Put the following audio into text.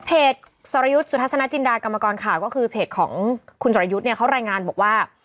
สรยุทธ์สุทัศนจินดากรรมกรข่าวก็คือเพจของคุณสรยุทธ์เนี่ยเขารายงานบอกว่า